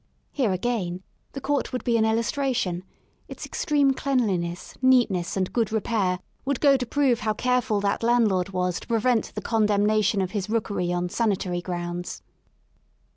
— Here, again, the court would be an illustra tion; its extreme cleanliness, neatness and good repair would go to prove how careful that landlord was to prevent the condemnation of his rookery on sanitary grounds.